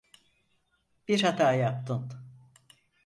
Bir hata yaptın.